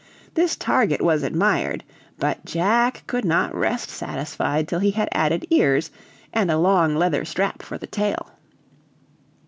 This target was admired, but Jack could not rest satisfied till he had added ears, and a long leather strap for a tail.